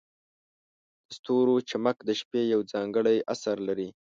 د ستورو چمک د شپې یو ځانګړی اثر لري.